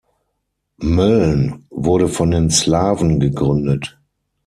Mölln wurde von den Slawen gegründet.